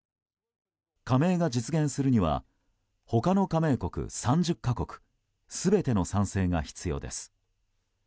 加盟が実現するには他の加盟国３０か国全ての賛成が必要です。